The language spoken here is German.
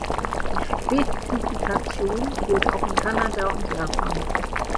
Die Spezifikation gilt auch in Kanada und Japan.